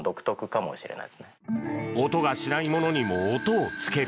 音がしないものにも音をつける。